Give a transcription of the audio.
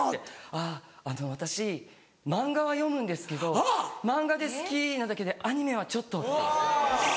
「あぁあの私漫画は読むんですけど漫画で好きなだけでアニメはちょっと」って。